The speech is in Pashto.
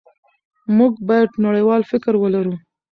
موږ باید نړیوال فکر ولرو.